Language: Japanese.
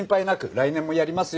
来年もやりますよ。